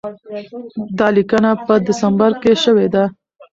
دا لیکنه په ډسمبر کې شوې ده.